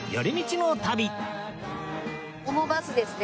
このバスですね。